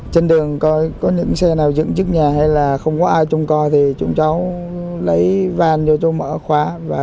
trên đường coi có những xe nào dựng trước nhà hay là không có ai trông coi thì chúng cháu lấy van vô chỗ mở khóa